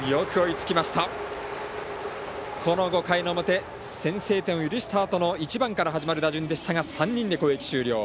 この５回の表先制点を許したあとの１番から始まる打順でしたが３人で攻撃終了。